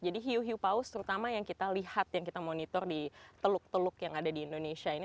jadi hiu hiu paus terutama yang kita lihat yang kita monitor di teluk teluk yang ada di indonesia ini